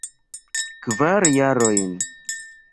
Kvar jarojn.